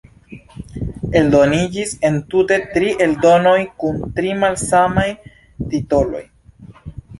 Eldoniĝis entute tri eldonoj kun tri malsamaj titoloj.